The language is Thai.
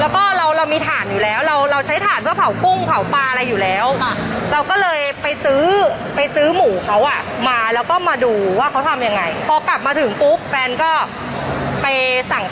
ไปติ๊กปุ๊บแล้วทำใบบังนั้น